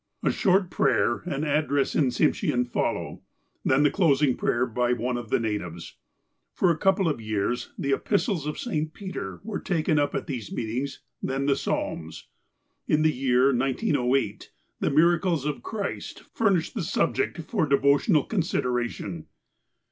A short prayer and address in Tsimshean follow, then the closing prayer by one of the natives. For a couple of years the '^ Epistles of St. Peter" were taken up at these meetings, then the "Psalms." In the year 1908, the miracles of Christ furnished the subject for devotional consideration.